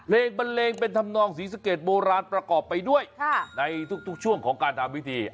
บันเลงเป็นธรรมนองศรีสะเกดโบราณประกอบไปด้วยในทุกช่วงของการทำพิธี